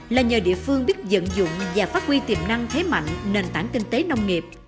là nhờ địa phương biết dẫn dụng và phát huy tiềm năng thế mạnh nền tảng kinh tế nông nghiệp